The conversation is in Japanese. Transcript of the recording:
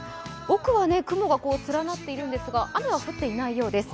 奥は雲が連なっているんですが雨は降っていないようです。